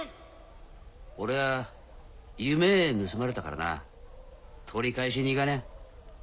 俺は夢盗まれたからな取り返しに行かにゃ。